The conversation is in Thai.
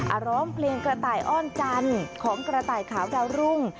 อารอมเพลงกระไตอ้อนจันทร์ของกระไตขาวดาวรุ่ง